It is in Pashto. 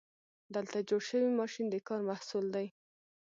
دلته جوړ شوی ماشین د کار محصول دی.